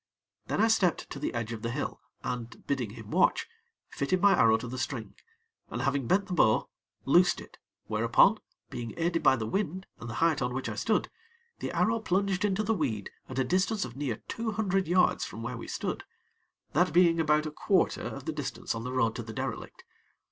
Then I stepped to the edge of the hill, and, bidding him watch, fitted my arrow to the string, and, having bent the bow, loosed it, whereupon, being aided by the wind and the height on which I stood, the arrow plunged into the weed at a distance of near two hundred yards from where we stood, that being about a quarter of the distance on the road to the derelict.